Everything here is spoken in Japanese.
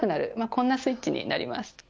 こんなスイッチになります。